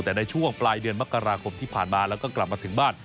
แต่ในช่วงปลายเดือนมกราคมที่ผ่านมาแล้วก็กลับมาถึงบ้าน